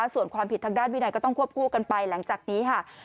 ส่วนความผิดทางด้านวินัยก็ต้องควบคู่กันไปหลังจากนี้ค่ะ